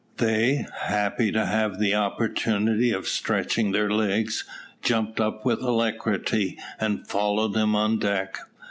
They, happy to have the opportunity of stretching their legs, jumped up with alacrity, and followed him on deck.